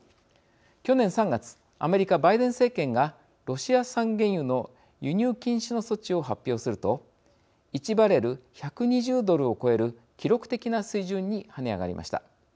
去年３月アメリカ、バイデン政権がロシア産原油の輸入禁止の措置を発表すると１バレル１２０ドルを超える記録的な水準に跳ね上がりました。